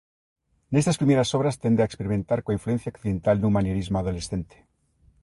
Nestas primeiras obras tende a experimentar coa influencia occidental nun manierismo adolescente.